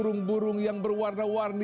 yang begitu indah dan berwarna warni